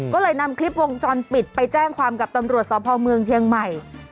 ก็เลยนำคลิปวงจรปิดไปแจ้งความกับตำรวจสพเมืองเชียงใหม่